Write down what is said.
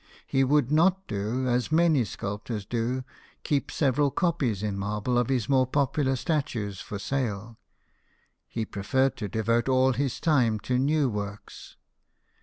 He would not do as many sculptors do, keep several copies in marble of his more popular statues for sale ; he preferred to devote JOHN GIBSON, SCULPTOR. Si all his time to new works.